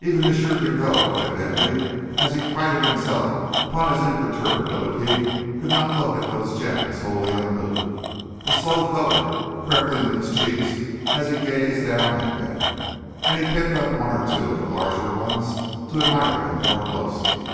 Even M. Pigot, evidently as he prided himself upon his imperturbability, could not look upon those gems wholly unmoved; a slow colour crept into his cheeks as he gazed down at them, and he picked up one or two of the larger ones to admire them more closely.